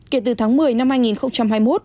kể từ tháng một mươi năm hai nghìn hai mươi một